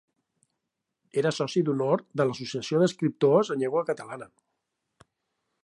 Era soci d'honor de l'Associació d'Escriptors en Llengua Catalana.